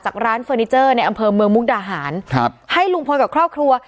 ร้านเฟอร์นิเจอร์ในอำเภอเมืองมุกดาหารครับให้ลุงพลกับครอบครัว